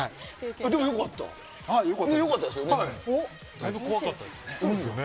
だいぶ怖かったですね。